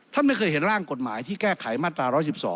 ไม่เคยเห็นร่างกฎหมายที่แก้ไขมาตรา๑๑๒